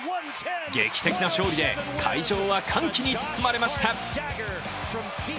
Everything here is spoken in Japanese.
劇的な勝利で会場は歓喜に包まれました。